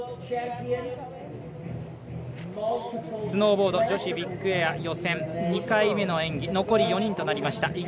スノーボード女子ビッグエア予選２回目の演技残り４人となりました。